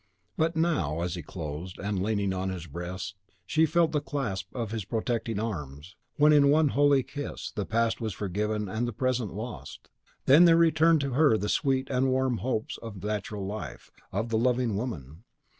But now, as he closed, and, leaning on his breast, she felt the clasp of his protecting arms, when, in one holy kiss, the past was forgiven and the present lost, then there returned to her the sweet and warm hopes of the natural life, of the loving woman.